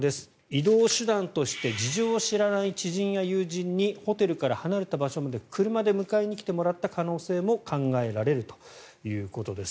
移動手段として、事情を知らない知人や友人にホテルから離れた場所まで車で迎えに来てもらった可能性も考えられるということです。